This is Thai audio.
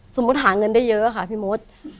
สมมุติหาเงินได้เยอะค่ะพี่มด